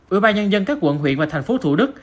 ủy ban nhân dân các quận huyện và thành phố thủ đức